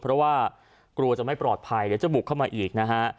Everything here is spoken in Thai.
เพราะว่ากลัวจะไม่ปลอดภัยเดี๋ยวจะบุกเข้ามาอีกนะฮะ